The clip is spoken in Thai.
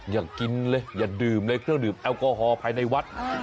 อย่ากินเลยอย่าดื่มเลยเครื่องดื่มแอลกอฮอลภายในวัด